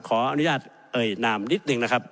ขออนุญาตเอ่ยนามนิดนึงนะครับ